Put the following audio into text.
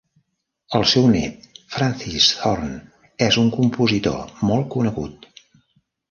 El seu net, Francis Thorne, és un compositor molt conegut.